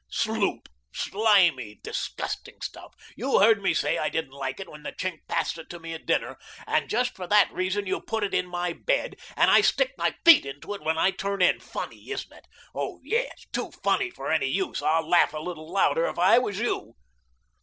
Sloop! Slimy, disgusting stuff; you heard me say I didn't like it when the Chink passed it to me at dinner and just for that reason you put it in my bed, and I stick my feet into it when I turn in. Funny, isn't it? Oh, yes, too funny for any use. I'd laugh a little louder if I was you."